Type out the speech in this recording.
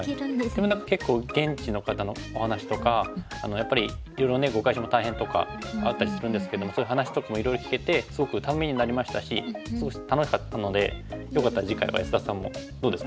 でも何か結構現地の方のお話とかやっぱりいろいろね碁会所も大変とかあったりするんですけどもそういう話とかもいろいろ聞けてすごくためになりましたしすごく楽しかったのでよかったら次回は安田さんもどうですか？